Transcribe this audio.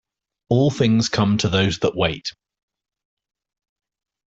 All things come to those that wait.